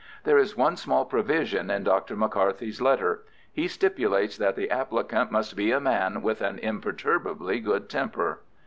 "There is one small provision in Dr. McCarthy's letter. He stipulates that the applicant must be a man with an imperturbably good temper."